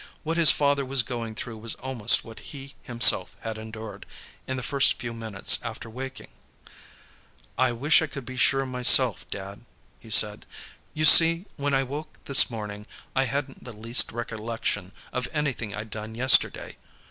What his father was going through was almost what he, himself, had endured, in the first few minutes after waking. "I wish I could be sure, myself, Dad," he said. "You see, when I woke, this morning, I hadn't the least recollection of anything I'd done yesterday.